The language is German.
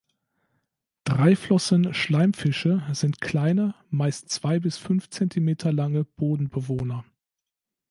Dreiflossen-Schleimfische sind kleine, meist zwei bis fünf Zentimeter lange Bodenbewohner.